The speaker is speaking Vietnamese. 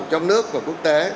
trong nước và quốc tế